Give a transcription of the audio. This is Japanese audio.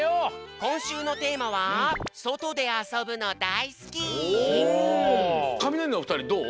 こんしゅうのテーマはカミナリのふたりどう？